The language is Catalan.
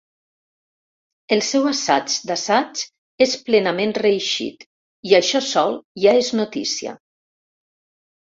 El seu assaig d'assaig és plenament reeixit, i això sol ja és notícia.